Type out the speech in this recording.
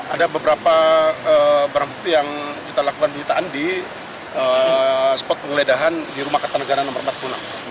ada beberapa barang bukti yang kita lakukan penyitaan di spot penggeledahan di rumah kertanegara no empat puluh enam